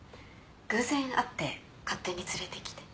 偶然会って勝手に連れてきて。